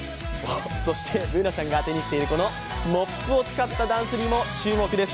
そして、Ｂｏｏｎａちゃんが手にしているこのモップを使ったダンスにも注目です。